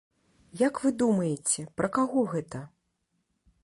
Як вы думаеце, пра каго гэта?